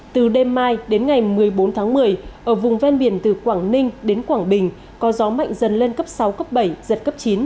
từ đêm mai đến ngày một mươi bốn tháng một mươi ở vùng ven biển từ quảng ninh đến quảng bình có gió mạnh dần lên cấp sáu cấp bảy giật cấp chín